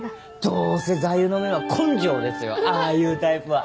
どうせ座右の銘は「根性」ですよああいうタイプは。